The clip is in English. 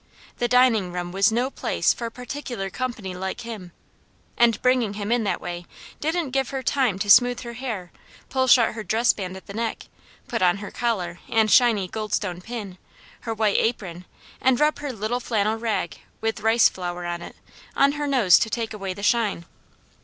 The dining room was no place for particular company like him, and bringing him in that way didn't give her time to smooth her hair, pull shut her dress band at the neck, put on her collar, and shiny goldstone pin, her white apron, and rub her little flannel rag, with rice flour on it, on her nose to take away the shine.